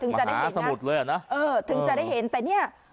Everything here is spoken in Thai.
จะได้เห็นสมุดเลยอ่ะนะเออถึงจะได้เห็นแต่เนี่ย